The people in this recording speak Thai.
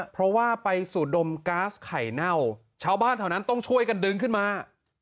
เพราะว่าไปสูดดมก๊าซไข่เน่าชาวบ้านแถวนั้นต้องช่วยกันดึงขึ้นมา